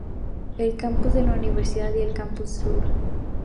El campus de la Universidad y el Campus Sur.